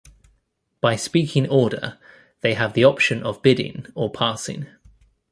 By speaking order, they have the option of bidding or passing.